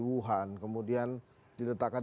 wuhan kemudian diletakkan